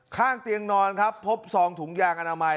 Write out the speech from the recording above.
ข้างเตียงนอนครับพบซองถุงยางอนามัย